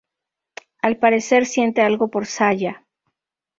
Al parecer siente algo por Saya.